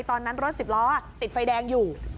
ตอนนั้นรถสิบล้อติดไฟแดงอยู่